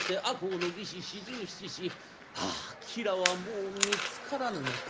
吉良はもう見つからぬのか。